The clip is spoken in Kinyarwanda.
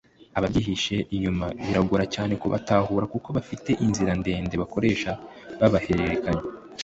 ababyihishe inyuma biragora cyane kubatahura kuko bafite inzira ndende bakoresha babahererekanya